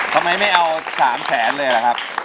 ทำไมไม่เอา๓แสนเลยล่ะครับ